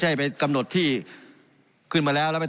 การปรับปรุงทางพื้นฐานสนามบิน